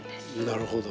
なるほど。